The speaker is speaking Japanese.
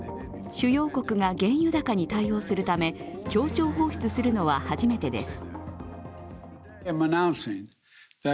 主要国が原油高に対応するため協調放出するのは初めてです。